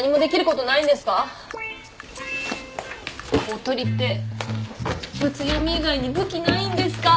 公取ってブツ読み以外に武器ないんですか。